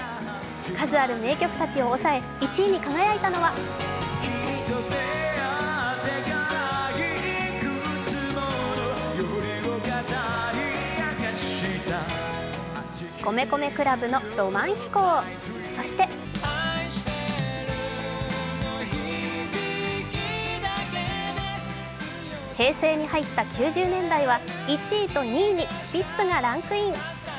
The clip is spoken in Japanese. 数ある名曲たちを抑え１位に輝いたのは米米ＣＬＵＢの「浪漫飛行」そして平成に入った９０年代は１位と２位にスピッツがランクイン。